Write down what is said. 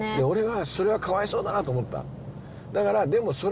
俺はそれはかわいそうだなと思った。